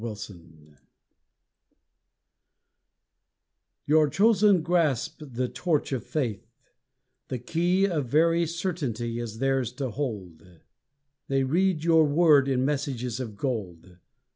UNBELIEF Your chosen grasp the torch of faith the key Of very certainty is theirs to hold. They read Your word in messages of gold.